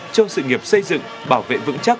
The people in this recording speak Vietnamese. cho sự nghiệp xây dựng bảo vệ vững chắc